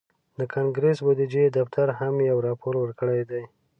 د کانګرس بودیجوي دفتر هم یو راپور ورکړی دی